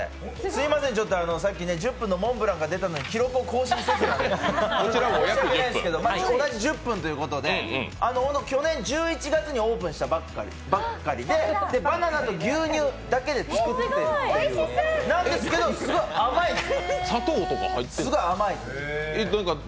すいません、さっき１０分のモンブランが出たのに、記録を更新せず、申し訳ないんですけど、同じ１０分ということで去年１１月にオープンしたばっかりでバナナと牛乳だけで作ってるけどすごい甘い！